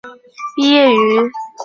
毕业于哥廷根大学。